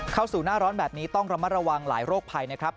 เข้าสู่หน้าร้อนแบบนี้ต้องระมัดระวังหลายโรคภัยนะครับ